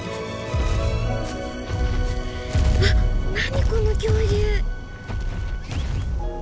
わっ何この恐竜。